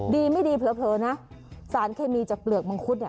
ดีไม่ดีเผลอนะสารเคมีจากเปลือกมังคุดเนี่ย